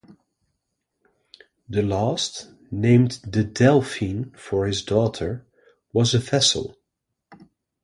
The last, named the "Delphine" for his daughter, was a vessel.